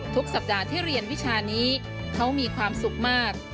สัปดาห์ที่เรียนวิชานี้เขามีความสุขมาก